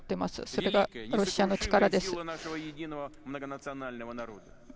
それがロシアの力です。